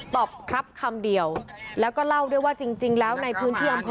เปล่าตอบว่าอย่างไรรู้ไหมคะ